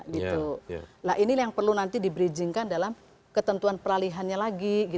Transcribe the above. nah ini yang perlu nanti di bridgingkan dalam ketentuan peralihannya lagi